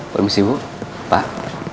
permisi bu pak